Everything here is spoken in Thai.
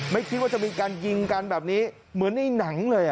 ไม่คิดว่าจะมีการยิงกันแบบนี้เหมือนในหนังเลย